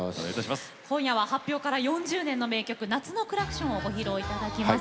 今夜は発表から４０年の名曲「夏のクラクション」をご披露頂きます。